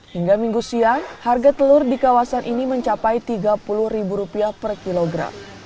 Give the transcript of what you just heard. hingga minggu siang harga telur di kawasan ini mencapai rp tiga puluh per kilogram